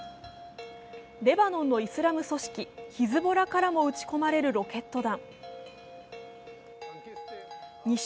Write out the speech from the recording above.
レバノンのイスラム組織ヒズボラからも撃ち込まれるロケット弾。